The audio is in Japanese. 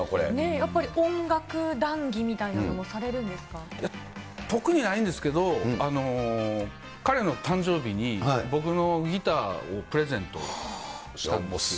やっぱり音楽談議みたいなのいや、特にないんですけど、彼の誕生日に僕のギターをプレゼントしたんですよ。